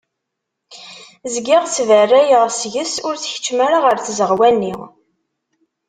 Zgiɣ sberrayeɣ deg-s ur tkeččem ara ɣer tzeɣwa-nni.